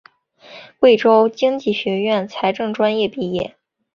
贵州财经学院财政专业毕业。